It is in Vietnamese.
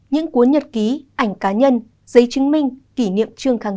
những cuốn nhật ký ảnh cá nhân giấy chứng minh kỷ niệm trương kháng